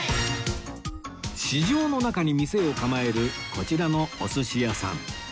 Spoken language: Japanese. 市場の中に店を構えるこちらのお寿司屋さん